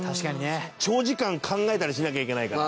山崎：長時間考えたりしなきゃいけないから。